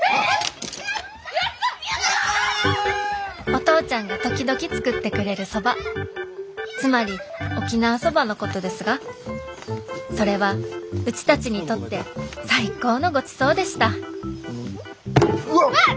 お父ちゃんが時々作ってくれるそばつまり沖縄そばのことですがそれはうちたちにとって最高のごちそうでしたうわっ！